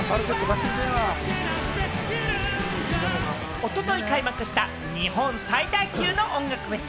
おととい開幕した、日本最大級の音楽フェス